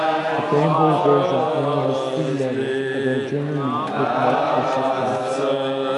The Game Boy version only has three levels, although generally with multiple sections.